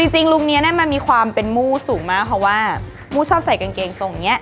จริงลุงนี้มันมีความเป็นมู้สูงมากเพราะว่ามู้ชอบใส่กางเกงทรงนี้